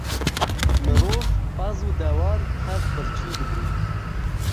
Mirov, pez û dewar tev birçî dibûn.